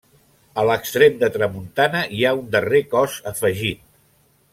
A l'extrem de tramuntana hi ha un darrer cos afegit.